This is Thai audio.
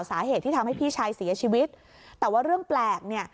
สาเหตุที่ทำให้พี่ชายเสียชีวิตแต่ว่าเรื่องแปลกเนี่ย